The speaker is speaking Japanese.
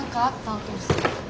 お父さん。